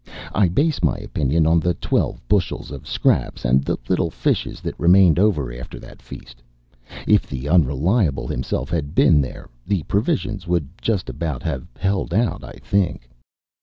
I base my opinion on the twelve bushels of scraps and the little fishes that remained over after that feast. If the Unreliable himself had been there, the provisions would just about have held out, I think.